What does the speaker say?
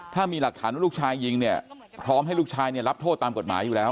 ถ้ามีหลักฐานว่าลูกชายยิงเนี่ยพร้อมให้ลูกชายเนี่ยรับโทษตามกฎหมายอยู่แล้ว